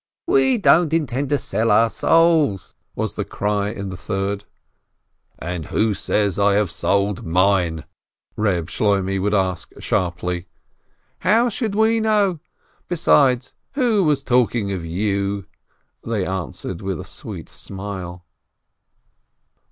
"We don't intend to sell our souls !" was the cry in a third. "And who says I have sold mine?" Eeb Shloimeh would ask sharply. "How should we know? Besides, who was talking of you?" they answered with a sweet smile.